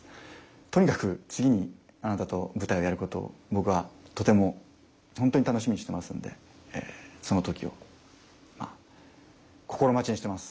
とにかく次にあなたと舞台をやることを僕はとてもホントに楽しみにしてますんでその時をまあ心待ちにしてます。